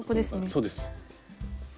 そうです。